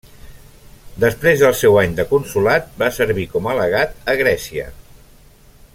Després del seu any de consolat va servir com a legat a Grècia.